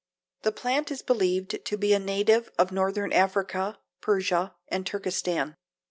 The plant is believed to be a native of northern Africa, Persia and Turkestan.